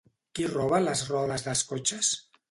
Qui roba les rodes dels cotxes?